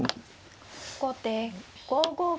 後手５五歩。